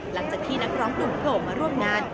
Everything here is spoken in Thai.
หลังจากที่นักร้องหนุ่มโผล่มาร่วมงาน